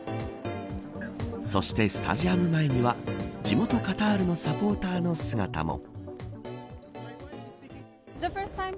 そしてスタジアム前には地元カタールのサポーターの姿も。